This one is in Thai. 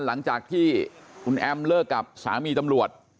หลังจากที่คุณแอมเลิกกับสามีตำรวจ